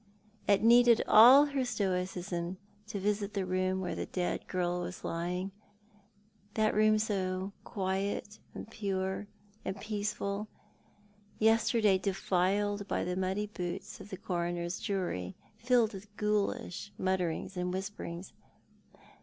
It needed all her stoicism to visit the room where the dead girl was lying — that room now so quiet, and pure, and peaceful — yesterday defiled by the muddy boots of the coroner's jury, filled with ghoulish mutterings and whisperings.